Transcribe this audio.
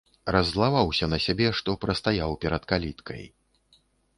Раззлаваўся на сябе, што прастаяў перад каліткай.